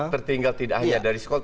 tertinggal tidak hanya dari sekolah